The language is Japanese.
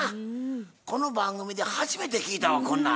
この番組で初めて聞いたわこんなん。